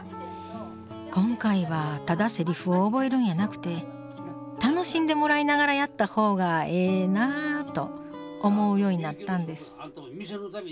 今回はただセリフを覚えるんやなくて楽しんでもらいながらやった方がええなと思うようになったんです